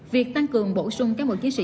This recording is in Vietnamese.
việc tăng cường bổ sung các bộ chiến sĩ